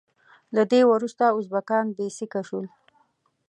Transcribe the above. له ده وروسته ازبکان بې سیکه شول.